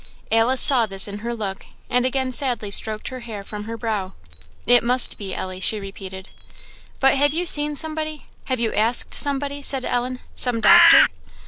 Alice saw this in her look, and again sadly stroked her hair from her brow. "It must be, Ellie," she repeated. "But have you seen somebody? have you asked somebody?" said Ellen "some doctor?"